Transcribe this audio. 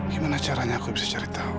gimana caranya aku bisa cari tahu